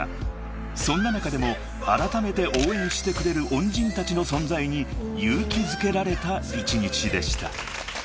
［そんな中でもあらためて応援してくれる恩人たちの存在に勇気づけられた１日でした］